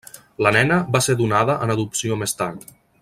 La nena va ser donada en adopció més tard.